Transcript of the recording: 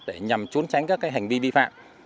để nhằm trốn tránh các hành vi vi phạm